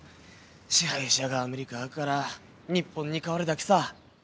支配者がアメリカーから日本に変わるだけさ。